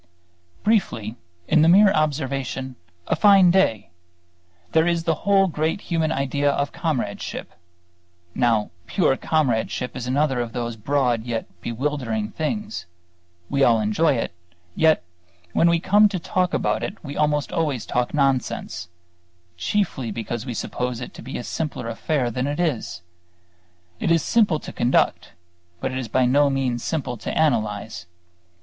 Briefly, in the mere observation "a fine day" there is the whole great human idea of comradeship. Now, pure comradeship is another of those broad and yet bewildering things. We all enjoy it; yet when we come to talk about it we almost always talk nonsense, chiefly because we suppose it to be a simpler affair than it is. It is simple to conduct; but it is by no means simple to analyze.